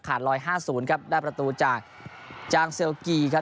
ลอย๕๐ครับได้ประตูจากจางเซลกีครับ